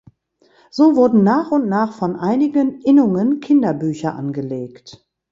So wurden nach und nach von einigen Innungen Kinderbücher angelegt.